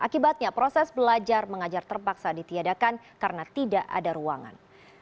akibatnya proses belajar mengajar terpaksa ditiadakan karena tidak ada ruangan